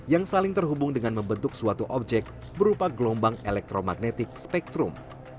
yang saling terhubung dengan membentuk suatu objek berupa gelombang elektromagnetik spektrum